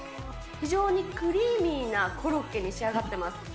非常にクリーミーなコロッケに仕上がってます。